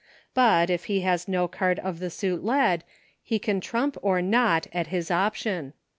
But, if he has no card of the suit led, he can trump or not at his option.